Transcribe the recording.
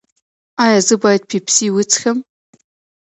ایا زه باید پیپسي وڅښم؟